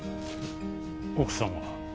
奥様